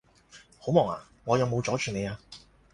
好忙呀？我有冇阻住你呀？